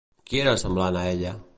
Qui era semblant a ella?